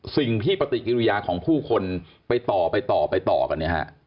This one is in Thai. สิ่งที่ปฏิกิริยาของผู้คนไปต่อไปต่อกัน